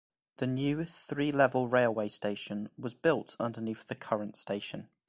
The new, three-level, railway station was built underneath the current station.